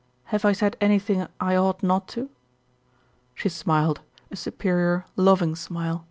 "Have I said anything I ought not to?" She smiled, a superior, loving smile.